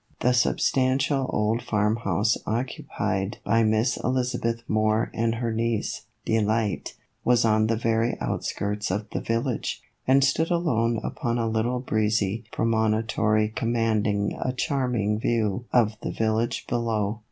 The substantial old farmhouse occupied by Miss Elizabeth Moore and her niece, Delight, was on the very outskirts of the village, and stood alone upon a little breezy promontory commanding a charming view of the village below.